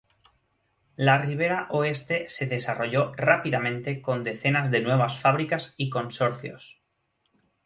La ribera oeste se desarrolló rápidamente con decenas de nuevas fábricas y consorcios.